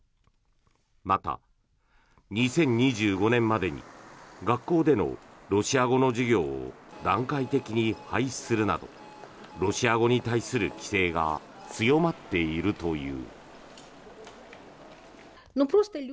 また、２０２５年までに学校でのロシア語の授業を段階的に廃止するなどロシア語に対する規制が強まっているという。